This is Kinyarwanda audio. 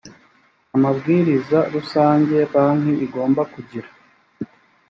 a mabwiriza rusange banki igomba kugira